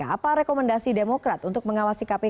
apa rekomendasi demokrat untuk mengawasi kpk